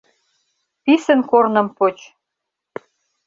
Писын корным поч!